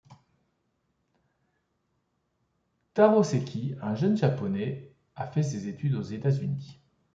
Taro Seki, un jeune japonais, a fait ses études aux États-Unis.